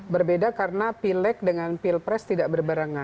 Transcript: berbeda karena pileg dengan pilpres tidak berbarengan